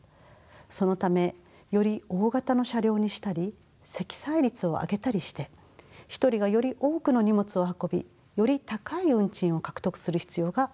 そのためより大型の車両にしたり積載率を上げたりして１人がより多くの荷物を運びより高い運賃を獲得する必要があります。